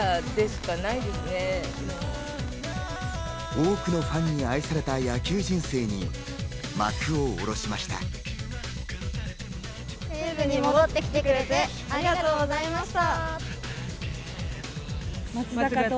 多くのファンに愛された野球人生に幕を下ろしました。